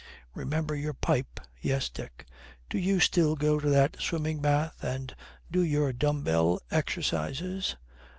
'Remember your pipe.' 'Yes, Dick.' 'Do you still go to that swimming bath, and do your dumb bell exercises?'